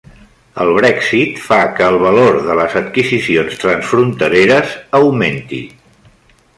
El Brexit fa que el valor de les adquisicions transfrontereres augmenti